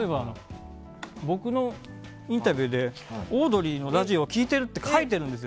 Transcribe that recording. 僕のインタビューでオードリーのラジオを聴いているって書いてるんですよ。